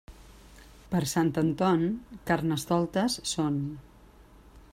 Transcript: Per Sant Anton, carnestoltes són.